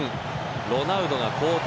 ロナウドが交代。